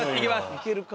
いけるか？